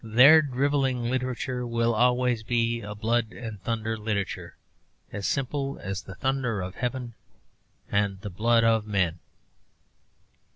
Their drivelling literature will always be a 'blood and thunder' literature, as simple as the thunder of heaven and the blood of men.